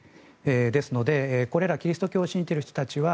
ですので、これらキリスト教を信じている人たちは